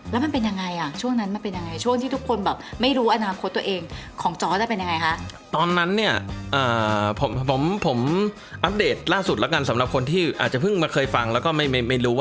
แล้วมันเป็นยังไงอ่ะช่วงนั้นมันเป็นยังไงช่วงที่ทุกคนแบบไม่รู้อนาคตตัวเองของจอร์ดเป็นยังไงคะ